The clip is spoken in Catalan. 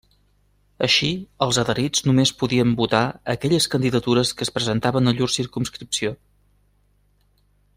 Així, els adherits només podien votar aquelles candidatures que es presentaven a llur circumscripció.